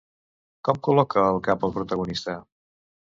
Com col·loca el cap el protagonista?